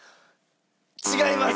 違います！